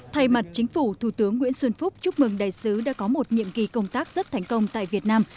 thay mặt chính phủ thủ tướng nguyễn xuân phúc chúc mừng đại sứ đã có một nhiệm kỳ công tác rất thành công tại việt nam